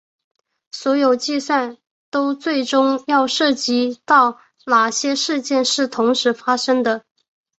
所有计算都最终要涉及到哪些事件是同时发生的。